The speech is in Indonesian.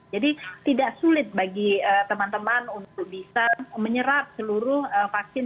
jadi tidak sulit bagi teman teman untuk bisa menyerap seluruh vaksin